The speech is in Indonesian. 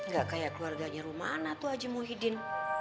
gak kayak keluarganya rumana tuh haji muhyiddin